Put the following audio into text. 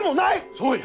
そうや！